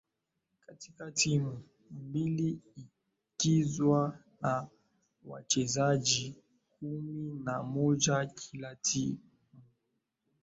katika timu mbili ikiwa na wachezaji kumi na mmoja kila timu